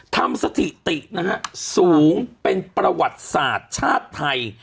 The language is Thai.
สถิตินะฮะสูงเป็นประวัติศาสตร์ชาติไทย